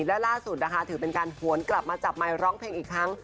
และล่าสุดนะคะถือเป็นการหวนกลับมาจับไมค์ร้องเพลงอีกครั้ง